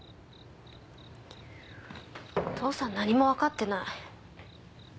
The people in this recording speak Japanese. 父さん何もわかってない。